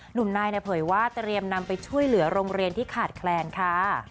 หนุ่มนายเนี่ยเผยว่าเตรียมนำไปช่วยเหลือโรงเรียนที่ขาดแคลนค่ะ